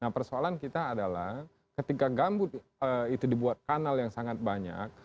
nah persoalan kita adalah ketika gambut itu dibuat kanal yang sangat banyak